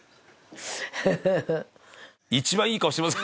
一番いい顔してます。